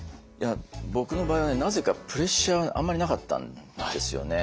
僕の場合はなぜかプレッシャーあんまりなかったんですよね。